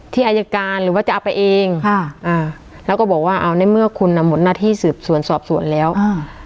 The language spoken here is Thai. อายการหรือว่าจะเอาไปเองค่ะอ่าแล้วก็บอกว่าเอาในเมื่อคุณอ่ะหมดหน้าที่สืบสวนสอบสวนแล้วอ่า